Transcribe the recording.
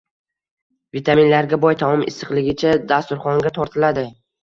Vitaminlarga boy taom issiqligicha dasturxonga tortiladi